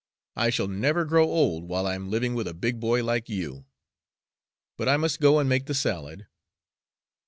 "I shall never grow old while I am living with a big boy like you. But I must go and make the salad."